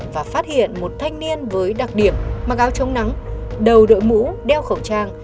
và phát hiện một thanh niên với đặc điểm mặc áo chống nắng đầu đội mũ đeo khẩu trang